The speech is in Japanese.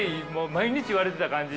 毎日言われてた感じ。